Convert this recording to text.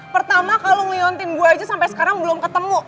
pertama kalau ngeliontin gue aja sampai sekarang belum ketemu